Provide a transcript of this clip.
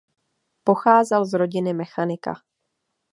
Pocházel z rodiny mechanika.